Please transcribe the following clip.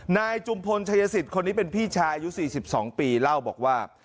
นายจุมพลชายสิทธิ์คนนี้เป็นพี่ชายอายุ๔๒ปีเล่าบอกว่า